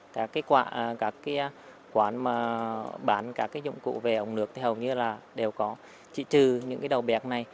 các quán bán các dụng cụ về ống nước thì hầu như đều có chỉ trừ những đầu bẹc này